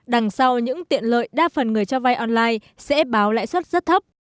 đằng sau những tiện lợi đa phần người cho vay online sẽ báo lãi suất rất thấp